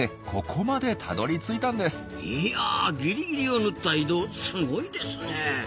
いやギリギリを縫った移動すごいですね。